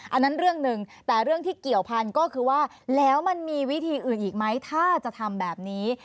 อันนั้นเรื่องหนึ่งแต่เรื่องที่เกี่ยวพันธุ์ก็คือว่าแล้วมันมีวิธีอื่นอีกไหมถ้าจะทำแบบนี้